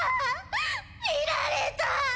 見られた！